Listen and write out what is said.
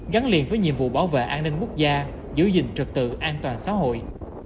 gắn liền với nhiệm vụ bảo vệ an ninh quốc gia giữ gìn trực tự an toàn xã hội